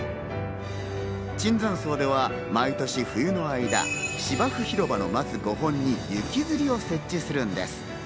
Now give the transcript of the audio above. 椿山荘では毎年冬の間、芝生広場の松５本に雪吊りを設置するんです。